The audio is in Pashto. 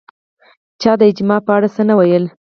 چا د اجماع په اړه څه نه ویل